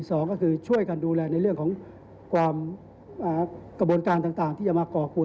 สองก็คือช่วยกันดูแลในเรื่องของความกระบวนการต่างที่จะมาก่อกวน